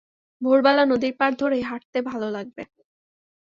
ভোরবেলা নদীর পাড় ধরে হাঁটতে ভালো লাগবে।